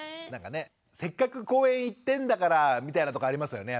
せっかく公園行ってんだからみたいなとこありますよね